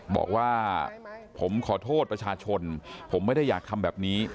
บอกว่าผมขอโทษประชาชนผมไม่ได้อยากทำแบบนี้